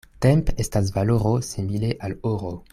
Temp' estas valoro simile al oro.